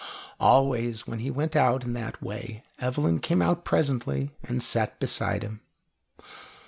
Always when he went out in that way Evelyn came out presently and sat beside him.